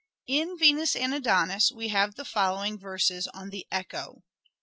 In " Venus and Adonis " we have the following verses on the " Echo."